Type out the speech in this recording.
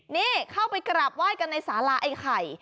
นี่เข้าไปกราบไหว้กันในสาราไอ้ไข่